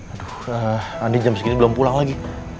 aduh nanti jam segini belum pulang lagi